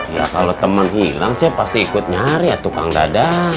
ya kalau teman hilang saya pasti ikut nyari ya tukang dada